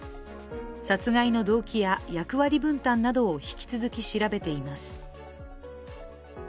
殺害の動機や役割分担などを引き続き調べています。